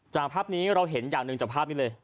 ภาพนี้เราเห็นอย่างหนึ่งจากภาพนี้เลย